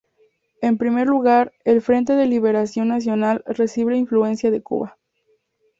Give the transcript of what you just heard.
En primer lugar, el Frente de Liberación Nacional recibe influencia de Cuba.